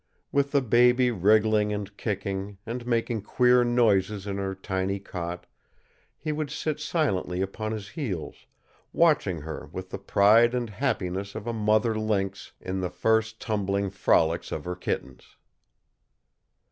With the baby wriggling and kicking, and making queer noises in her tiny cot, he would sit silently upon his heels, watching her with the pride and happiness of a mother lynx in the first tumbling frolics of her kittens.